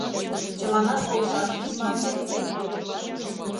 Чыланат полшаш пижман...